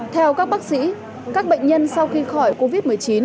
theo các bác sĩ các bệnh nhân sau khi khỏi covid một mươi chín